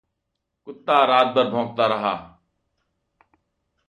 कुत्ता रातभर भौंकता रहा।